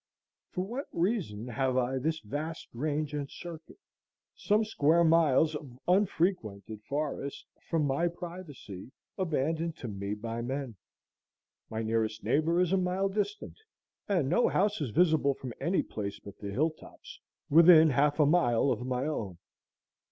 For what reason have I this vast range and circuit, some square miles of unfrequented forest, for my privacy, abandoned to me by men? My nearest neighbor is a mile distant, and no house is visible from any place but the hill tops within half a mile of my own.